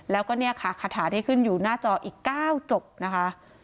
แล้วก็คาถาที่ขึ้นอยู่หน้าจออีก๙จบนะคะ